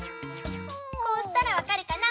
こうしたらわかるかな？